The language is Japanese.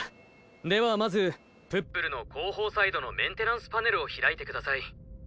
ではまずプップルのこうほうサイドのメンテナンスパネルをひらいてください。